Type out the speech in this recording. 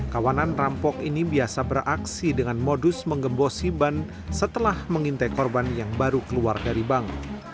kawanan rampok ini biasa beraksi dengan modus mengembosi ban setelah mengintai korban yang baru keluar dari bank